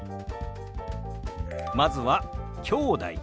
まずは「きょうだい」。